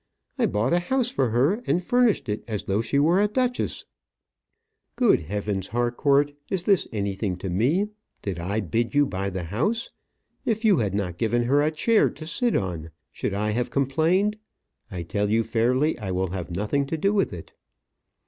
I bought a house for her, and furnished it as though she were a duchess " "Good heavens, Harcourt! Is this anything to me? Did I bid you buy the house? If you had not given her a chair to sit on, should I have complained? I tell you fairly, I will have nothing to do with it."